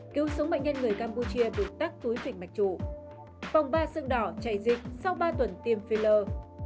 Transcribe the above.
cứu sống bệnh nhân người campuchia được tắt túi trịnh mạch trụ phòng ba xương đỏ chạy dịch sau ba tuần tiêm filler